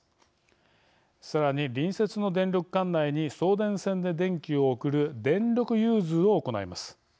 さらに隣接の電力管内に送電線で電気を送る電力融通を行います。